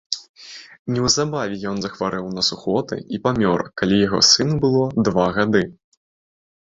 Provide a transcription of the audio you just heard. Неўзабаве ён захварэў на сухоты і памёр, калі яго сыну было два гады.